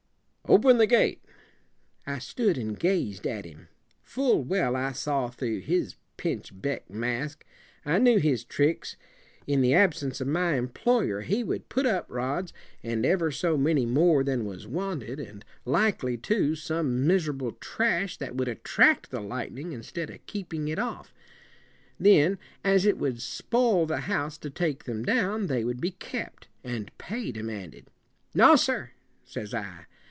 "Open the gate." I stood and gazed at him. Full well I saw through his pinch beck mask. I knew his tricks. In the ab sence of my employer, he would put up rods and ever so many more than was wanted, and likely, too, some miserable trash that would attract the light en ing, instead of keep ing it off. Then, as it would spoil the house to take them down, they would be kept, and pay demand ed. "No, sir," says I.